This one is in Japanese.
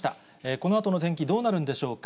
このあとの天気、どうなるんでしょうか。